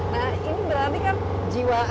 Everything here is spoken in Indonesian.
nah ini berarti kan jiwa